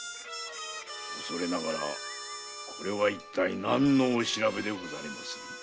おそれながらこれはいったい何のお調べでございますか？